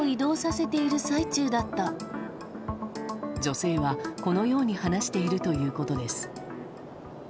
女性は、このように話しているということです。